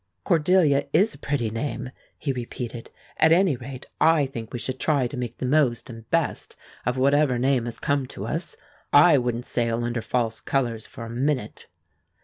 "Cordelia is a pretty name," he repeated. "At any rate, I think we should try to make the most and best of whatever name has come to us. I wouldn't sail under false colors for a minute."